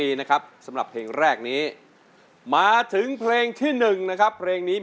ยิ้มข้างนอกข้างใน